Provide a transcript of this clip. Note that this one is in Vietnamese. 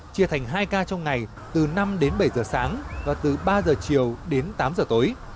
chia thành hai ca trong ngày từ năm đến bảy giờ sáng và từ ba giờ chiều đến tám giờ tối